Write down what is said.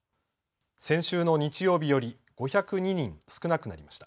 先週の日曜日より５０２人少なくなりました。